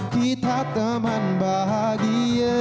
kita teman bahagia